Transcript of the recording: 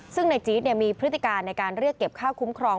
ซึ่งในจี๊ดมีพฤติการในการเรียกเก็บค่าคุ้มครอง